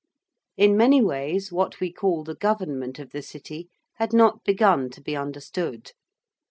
In many ways what we call the government of the City had not begun to be understood.